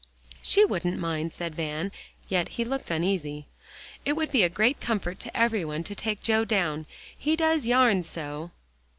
"She wouldn't mind," said Van, yet he looked uneasy. "It would be a great comfort to every one, to take Joe down. He does yarn so."